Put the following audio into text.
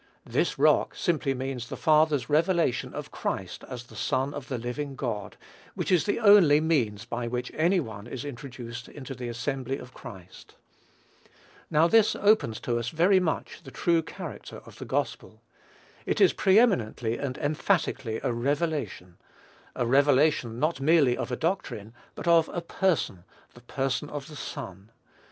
"This rock" [Greek: tautê tê petra] simply means the Father's revelation of Christ as the Son of the living God, which is the only means by which any one is introduced into the assembly of Christ. Now this opens to us very much the true character of the gospel. It is pre eminently and emphatically a revelation, a revelation not merely of a doctrine, but of a Person, the Person of the Son.